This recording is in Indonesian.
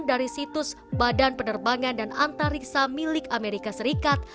dari situs badan penerbangan dan antariksa milik amerika serikat